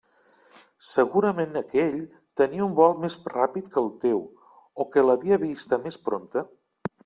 Segurament aquell tenia un vol més ràpid que el teu o que l'havia vista més prompte.